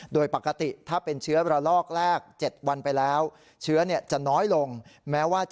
โดยปกติถ้าเป็นเชื้อระลอกแรก๗วันไปแล้ว